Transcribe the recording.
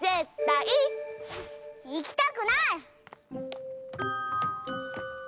いきたくない！